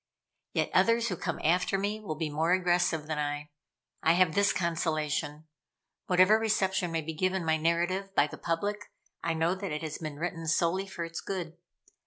Yet others who come after me will be more aggressive than I. I have this consolation: whatever reception may be given my narrative by the public, I know that it has been written solely for its good.